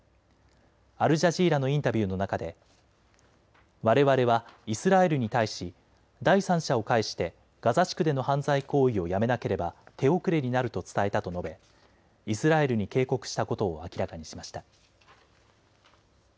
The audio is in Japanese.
アルジャジーラのインタビューの中でわれわれはイスラエルに対し第三者を介してガザ地区での犯罪行為をやめなければ手遅れになると伝えたと述べイスラエルに警告したことを明らかにしました。